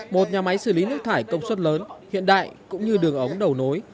một nhà máy xử lý nước thải công suất lớn hiện đại cũng như đường ống đầu nối